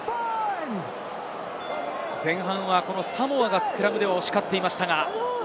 前半はサモアがスクラムで押し勝っていました。